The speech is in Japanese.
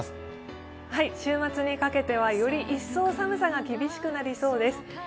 週末にかけてはより一層寒さが厳しくなりそうです